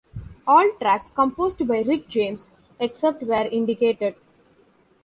All tracks composed by Rick James; except where indicated.